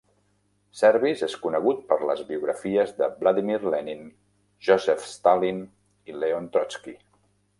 Service és conegut per les biografies de Vladimir Lenin, Joseph Stalin i Leon Trotsky.